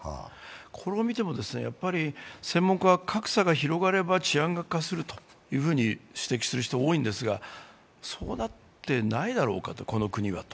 これを見ても、専門家は格差が広がれば治安が悪化すると指摘する人が多いんですが、そうなってないだろうかと、この国はと。